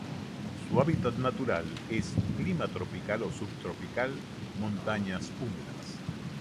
Su hábitat natural es: clima tropical o subtropical, montañas húmedas.